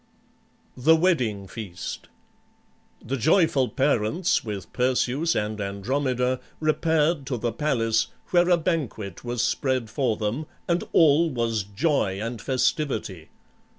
THE WEDDING FEAST The joyful parents, with Perseus and Andromeda, repaired to the palace, where a banquet was spread for them, and all was joy and festivity.